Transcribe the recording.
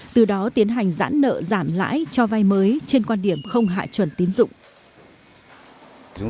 từ đó tiến hành giãn nợ giảm lãi cho vai mới trên quan điểm không hạ chuẩn tín dụng